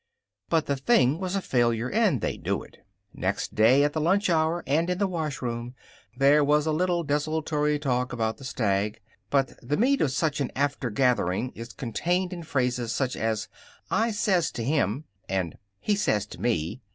But the thing was a failure, and they knew it. Next day, at the lunch hour and in the washroom, there was a little desultory talk about the stag. But the meat of such an aftergathering is contained in phrases such as "I says to him" and "He says to me."